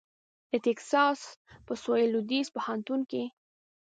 د ټیکساس په سوېل لوېدیځ پوهنتون کې